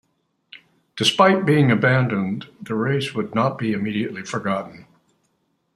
Despite being abandoned, the race would not be immediately forgotten.